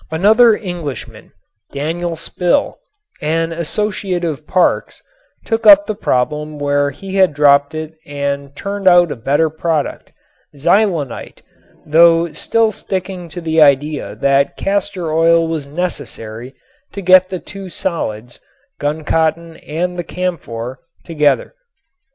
Another Englishman, Daniel Spill, an associate of Parkes, took up the problem where he had dropped it and turned out a better product, "xylonite," though still sticking to the idea that castor oil was necessary to get the two solids, the guncotton and the camphor, together.